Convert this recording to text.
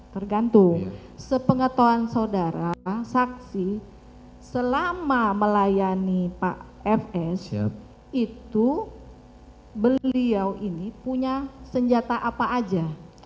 tergantung sepengetahuan saudara saksi selama melayani pak fs itu beliau ini punya senjata apa aja